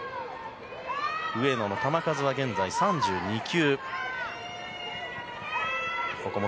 上野の球数は現在３２球。